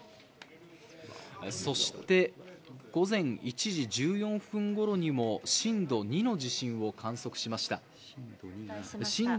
そして、午前１時１４分ごろにも震度２の地震を観測しました。